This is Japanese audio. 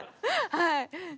はい。